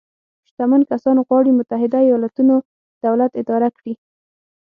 شتمن کسان غواړي متحده ایالتونو دولت اداره کړي.